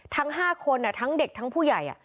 ทั้ง๕คนทั้งเด็กทั้งผู้ใหญ่